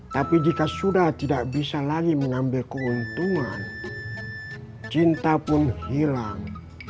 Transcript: tapi jika sudah tidak bisa lagi mengambil keuntungan cinta pun hilang